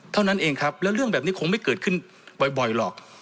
เท่านั้นเองครับแล้วเรื่องแบบนี้คงไม่เกิดขึ้นบ่อยหรอก